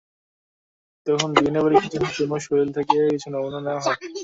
তখন ডিএনএ পরীক্ষার জন্য তনুর শরীর থেকে কিছু নমুনা নেওয়া হয়।